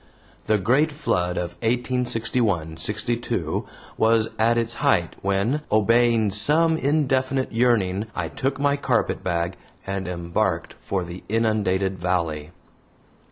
The great flood of 1861 62 was at its height when, obeying some indefinite yearning, I took my carpetbag and embarked for the inundated valley.